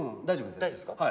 大丈夫です。